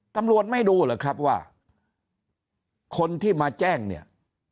ตำรวจไม่ดูเหรอครับว่าคนที่มาแจ้งเนี่ย